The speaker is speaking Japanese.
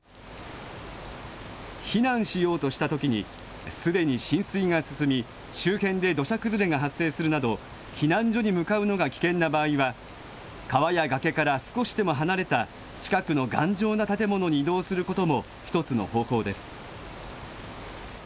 避難しようとしたときにすでに浸水が進み、周辺で土砂崩れが発生するなど、避難所に向かうのが危険な場合は、川や崖から少しでも離れた近くの頑丈な建物に移動することも一つの方法です。